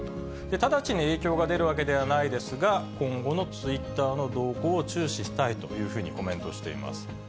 直ちに影響が出るわけではないですが、今後のツイッターの動向を注視したいというふうにコメントしています。